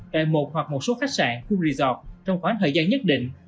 tại một hoặc một số khách sạn khu resort trong khoảng thời gian nhất định